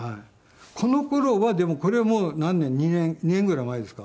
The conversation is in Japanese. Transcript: この頃はでもこれはもう何年２年ぐらい前ですか。